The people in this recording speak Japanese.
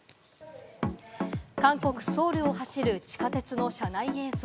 韓国・ソウルを走る地下鉄の車内映像。